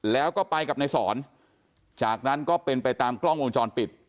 แล้วก็ไปกับนายสอนจากนั้นก็เป็นไปตามกล้องวงจรปิด